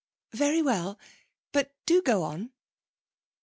'Very well. But do go on.'